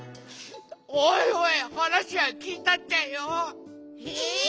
おいおいはなしはきいたっちゃよ！えっ！？